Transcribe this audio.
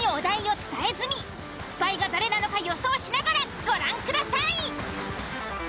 スパイが誰なのか予想しながらご覧ください！